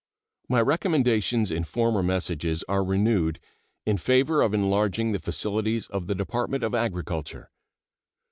My recommendations in former messages are renewed in favor of enlarging the facilities of the Department of Agriculture.